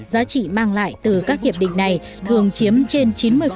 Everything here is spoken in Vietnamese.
giá trị mang lại từ các hiệp định này thường chiếm trên chín mươi